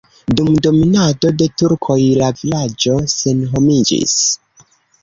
Dum dominado de turkoj la vilaĝo senhomiĝis.